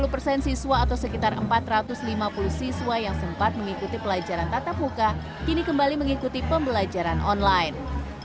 lima puluh persen siswa atau sekitar empat ratus lima puluh siswa yang sempat mengikuti pelajaran tatap muka kini kembali mengikuti pembelajaran online